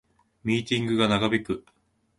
ミーティングが長引く